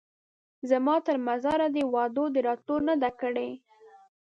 زما تر مزاره دي وعده د راتلو نه ده کړې